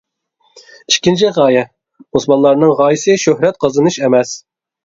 ئىككىنچى غايە: مۇسۇلمانلارنىڭ غايىسى شۆھرەت قازىنىش ئەمەس.